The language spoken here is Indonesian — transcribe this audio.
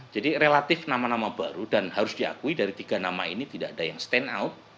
jadi relatif nama nama baru dan harus diakui dari tiga nama ini tidak ada yang stand out